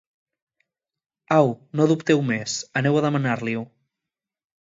Au, no dubteu més: aneu a demanar-li-ho!